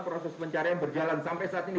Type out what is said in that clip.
proses pencarian berjalan sampai saat ini